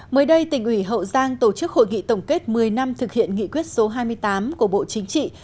mới đây tỉnh ủy hậu giang tổ chức hội nghị tổng kết một mươi năm thực hiện nghị quyết số hai mươi tám của bộ chính trị